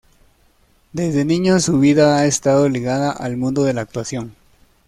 Desde niño su vida ha estado ligada al mundo de la actuación.